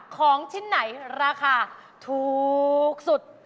ของชิ้นไหนราคาถูกสุด